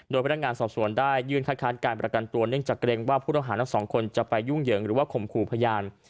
โดยพนักงานสอบสวนได้ยื่นคัดค้านการประกันตัวเนื่องจากเกรงว่าผู้ต้องหาทั้งสองคนจะไปยุ่งเหยิงหรือว่าข่มขู่พยาน